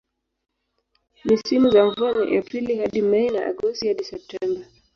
Misimu za mvua ni Aprili hadi Mei na Agosti hadi Septemba.